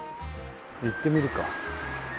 行ってみるか。